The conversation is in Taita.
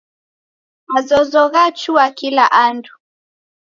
Mazozo yachua kila andu.